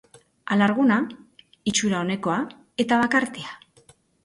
Alarguna, itxura onekoa eta bakartia.